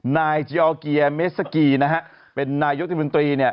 นายเจอร์เกียร์เมซักีเป็นนายกฤทธิบุญตรี